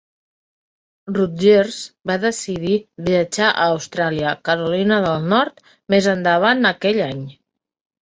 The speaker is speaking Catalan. Rodgers va decidir viatjar a Austràlia, Carolina del Nord, més endavant aquell any.